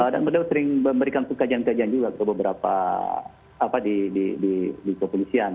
dan beliau sering memberikan kajian kajian juga ke beberapa di kepolisian